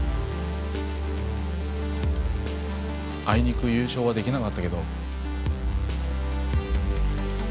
生憎優勝はできなかったけど。